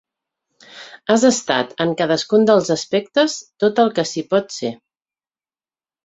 Has estat en cadascun dels aspectes tot el que s’hi pot ser.